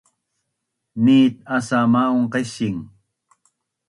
nit asa ma’un qaising